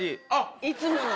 いつもの。